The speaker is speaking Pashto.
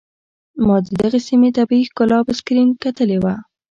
ما د دغې سيمې طبيعي ښکلا په سکرين کتلې وه.